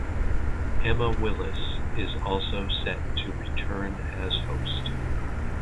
Emma Willis is also set to return as host.